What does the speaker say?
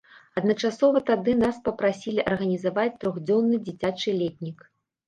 Адначасова тады нас папрасілі арганізаваць трохдзённы дзіцячы летнік.